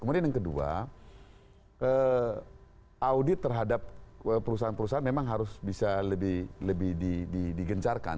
kemudian yang kedua audit terhadap perusahaan perusahaan memang harus bisa lebih digencarkan